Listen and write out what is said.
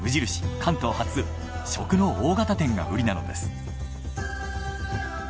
関東初食の大型店がウリなのです。